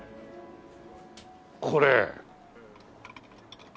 これ。